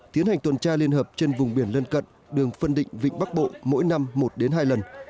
tiến hành tuần tra liên hợp trên vùng biển lân cận đường phân định vịnh bắc bộ mỗi năm một đến hai lần